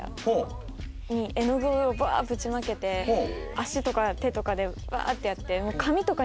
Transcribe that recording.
足とか手とかでうわーってやってもう。